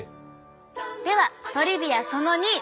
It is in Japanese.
ではトリビアその２。